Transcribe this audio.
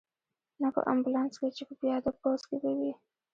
نه په امبولانس کې، چې په پیاده پوځ کې به وې.